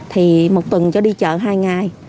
thì một tuần cho đi chợ hai ngày